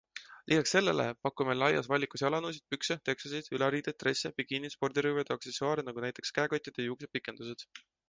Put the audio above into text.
Lisaks sellele, pakume laias valikus jalanõusid, pükse, teksasid, üleriided, dresse, bikiinid, spordirõivad ja aksessuaare nagu näteks käekotid ja juuksepikendused.